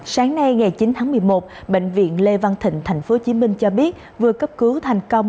sáng nay ngày chín tháng một mươi một bệnh viện lê văn thịnh tp hcm cho biết vừa cấp cứu thành công